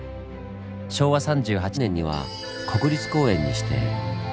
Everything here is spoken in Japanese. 昭和３８年には国立公園に指定。